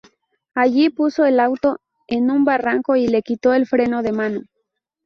Allí, puso el auto en un barranco y le quitó el freno de mano.